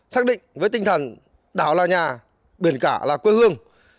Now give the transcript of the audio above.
xác định với tinh thần đảo là nhà biển cả là quê hương